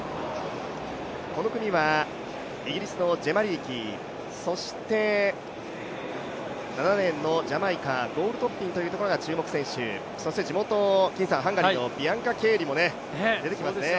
この組はイギリスのジェマ・リーキー、そして７レーンのジャマイカ、ゴウルトッピンというところが注目選手、そして地元、ハンガリーのビアンカ・ケーリも出てきますね。